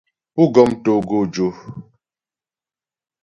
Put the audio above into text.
Pú gɔm togojò.